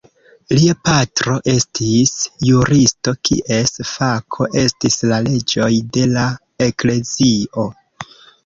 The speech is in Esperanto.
Lia patro estis juristo kies fako estis la leĝoj de la eklezio.